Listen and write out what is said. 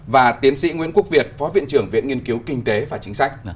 và tiến sĩ nguyễn quốc việt phó viện trưởng viện nghiên cứu kinh tế và chính sách